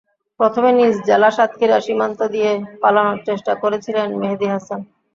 প্রথমে নিজ জেলা সাতক্ষীরা সীমান্ত দিয়ে পালানোর চেষ্টা করেছিলেন মেহেদি হাসান।